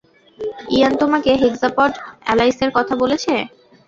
ইয়ান তোমাকে হেক্সাপড এলাইসের কথা বলেছে?